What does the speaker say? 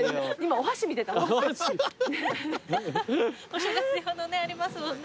お正月用のねありますもんね。